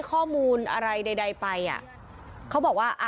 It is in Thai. เขาบอกว่าถ้าเลี้ยงไม่รอดเอามาให้เขา